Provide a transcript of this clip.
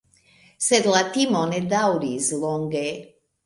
Sed la timo ne daŭris longe.